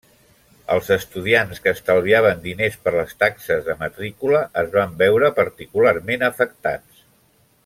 Els estudiants que estalviaven diners per les taxes de matrícula es van veure particularment afectats.